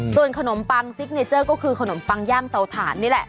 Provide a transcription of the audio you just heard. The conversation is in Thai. ส่วนขนมปังซิกเนเจอร์ก็คือขนมปังย่างเตาถ่านนี่แหละ